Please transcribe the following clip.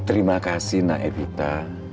terima kasih nak evita